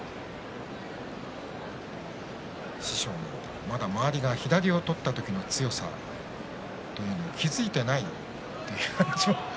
師匠も、まだ周りが左を取った時の強さに気付いていないと。